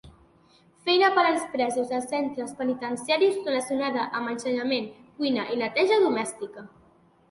Feina per als presos dels centres penitenciaris relacionada amb ensenyament, cuina i neteja domèstica.